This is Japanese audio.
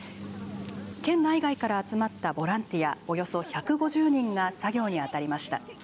県内外から集まったボランティアおよそ１５０人が作業に当たりました。